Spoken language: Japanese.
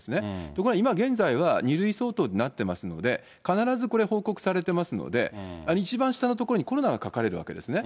ところが今現在は、２類相当になっていますので、必ずこれ報告されてますので、一番下のところにコロナが書かれるわけですね。